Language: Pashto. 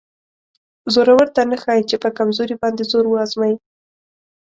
زورور ته نه ښایي چې په کمزوري باندې زور وازمایي.